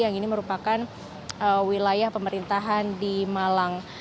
yang ini merupakan wilayah pemerintahan di malang